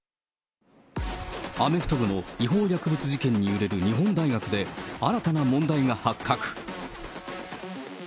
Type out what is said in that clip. アメフト部の違法薬物事件に揺れる日本大学で、新たな問題が発覚。